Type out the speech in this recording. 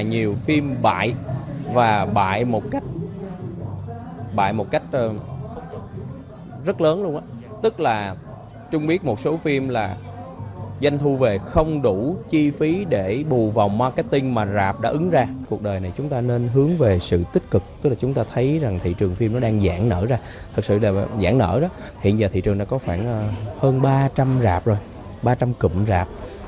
hiện giờ thị trường đã có khoảng hơn ba trăm linh rạp rồi ba trăm linh cụm rạp